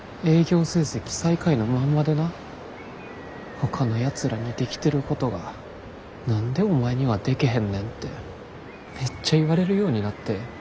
ほかのやつらにできてることが何でお前にはでけへんねんてめっちゃ言われるようになって。